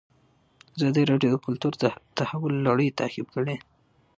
ازادي راډیو د کلتور د تحول لړۍ تعقیب کړې.